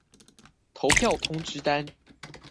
投票通知單